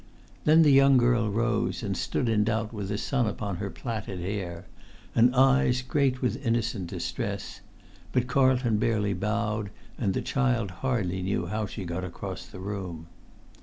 Then the young girl rose, and stood in doubt with the sun upon her plaited hair, and eyes great with innocent distress; but Carlton barely bowed, and the child hardly knew how she got across the room.